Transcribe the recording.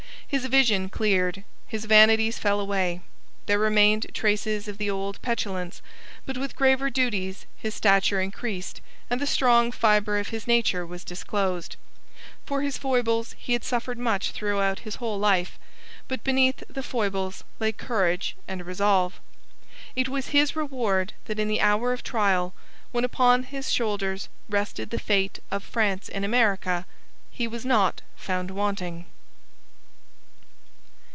His vision cleared. His vanities fell away. There remained traces of the old petulance; but with graver duties his stature increased and the strong fibre of his nature was disclosed. For his foibles he had suffered much throughout his whole life. But beneath the foibles lay courage and resolve. It was his reward that in the hour of trial, when upon his shoulders rested the fate of France in America, he was not found wanting.